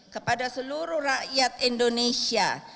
kepada seluruh rakyat indonesia